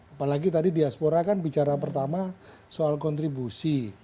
apalagi tadi diaspora kan bicara pertama soal kontribusi